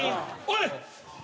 おい！